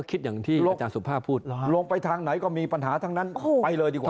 คิดอย่างที่อาจารย์สุภาพพูดลงไปทางไหนก็มีปัญหาทั้งนั้นไปเลยดีกว่า